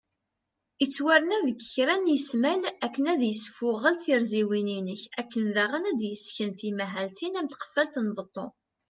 Ittwarna deg kra n ismal akken ad isfuγel tirziwin inek , akken daγen ad d-yesken timahaltin am tqefalt n beṭṭu